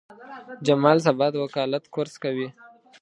جمال سبا د وکالت کورس کوي.